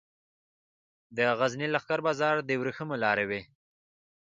د غزني لښکر بازار د ورېښمو لارې و